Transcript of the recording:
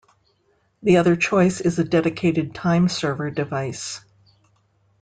The other choice is a dedicated time server device.